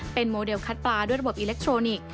เป็นโมเดลคัดปลาด้วยระบบอิเล็กทรอนิกส์